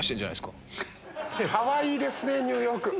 かわいいですねニューヨーク。